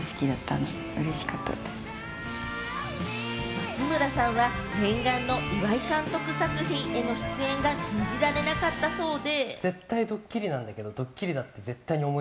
松村さんは念願の岩井監督作品への出演が信じられなかったそうで。